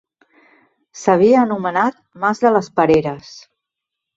S'havia anomenat Mas de les Pereres.